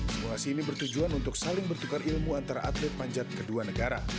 simulasi ini bertujuan untuk saling bertukar ilmu antara atlet panjat kedua negara